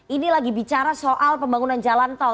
ini lagi bicara soal pembangunan jalan tol